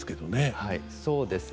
はいそうですね。